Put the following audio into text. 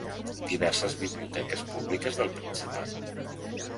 Diverses biblioteques públiques del Principat.